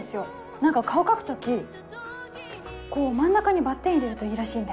何か顔描く時こう真ん中にバッテン入れるといいらしいんで。